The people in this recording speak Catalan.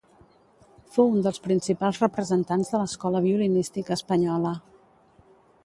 Fou un dels principals representants de l'escola violinística espanyola.